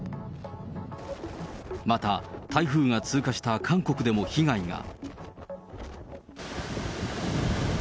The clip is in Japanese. また、台風が通過した韓国でも被害が。